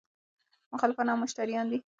مخالفان هم مشتریان دي.